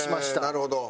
なるほど。